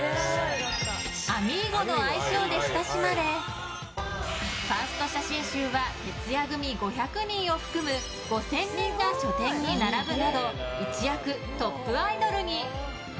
あみーゴの愛称で親しまれファースト写真集は徹夜組５００人を含む５０００人が書店に並ぶなど一躍トップアイドルに。